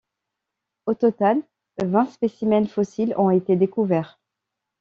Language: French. Au total, vingt spécimens fossiles ont été découverts.